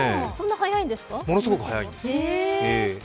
ものすごく速いんです。